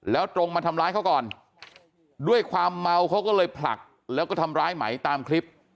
แล้วตรงมาทำร้ายเขาก่อนด้วยความเมาเขาก็เลยผลักแล้วก็ทำร้ายไหมตามคลิป